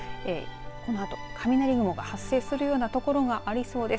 このあと雷雲が発生するような所がありそうです。